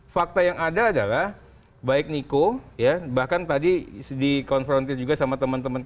fakta yang ada adalah baik niko ya bahkan tadi dikonfrontir juga sama teman teman